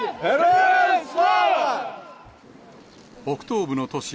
北東部の都市